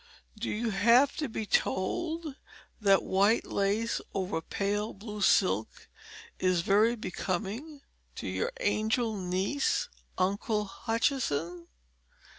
Do you have to be told that white lace over pale blue silk is very becoming to your angel niece, Uncle Hutchinson?